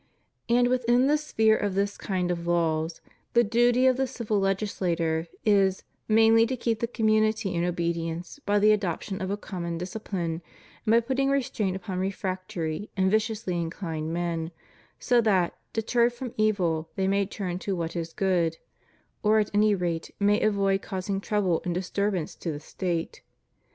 And within the sphere of this kind of laws, the duty of the civil legislator is, mainly, to keep the community in obedience by the adoption of a common discipline and by putting restraint upon refractory and viciously inchned men, so that, deterred from evil, they may turn to what is good, or at any rate may avoid caus ing trouble and disturbance to the State.